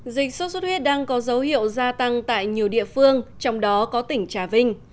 dịch sốt xuất huyết đang có dấu hiệu gia tăng tại nhiều địa phương trong đó có tỉnh trà vinh